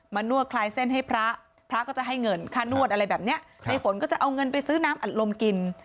นวดคลายเส้นให้พระพระก็จะให้เงินค่านวดอะไรแบบเนี้ยในฝนก็จะเอาเงินไปซื้อน้ำอัดลมกิน